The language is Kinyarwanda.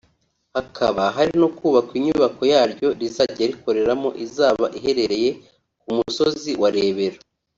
hakaba hari no kubakwa inyubako yaryo rizajya rikoreramo izaba iherereye ku musozi wa Rebero